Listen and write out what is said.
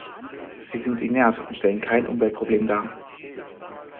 Sie sind inert und stellen kein Umweltproblem dar.